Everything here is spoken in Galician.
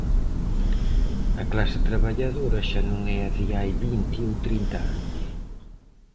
A clase traballadora xa non é a de hai vinte ou trinta anos.